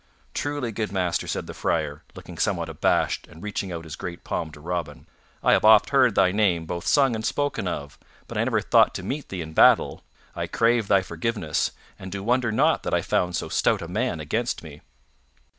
"Truly, good master," said the Friar, looking somewhat abashed and reaching out his great palm to Robin, "I ha' oft heard thy name both sung and spoken of, but I never thought to meet thee in battle. I crave thy forgiveness, and do wonder not that I found so stout a man against me."